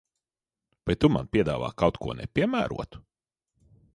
Vai tu man piedāvā kaut ko nepiemērotu?